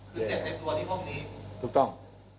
คือเสร็จในตัวที่ห้องนี้ถูกต้อง